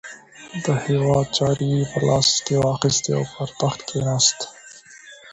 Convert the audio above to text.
د هیواد چارې یې په لاس کې واخیستې او پر تخت کښېناست.